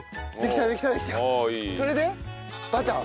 それでバター。